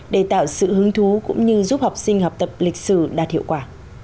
để tạo sự hứng thú cũng như giúp học sinh học tập lịch sử đạt hiệu quả